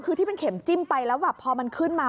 คือที่เป็นเข็มจิ้มไปแล้วแบบพอมันขึ้นมา